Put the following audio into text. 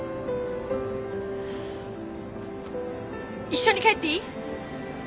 一緒に帰っていい？